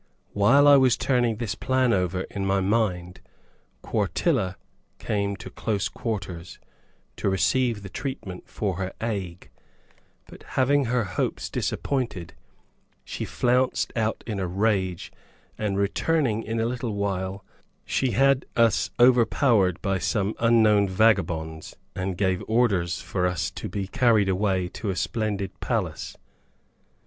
(While I was turning over this plan in my mind, Quartilla came to close quarters, to receive the treatment for her ague, but having her hopes disappointed, she flounced out in a rage and, returning in a little while, she had us overpowered by some unknown vagabonds, and gave orders for us to be carried away to a splendid palace.)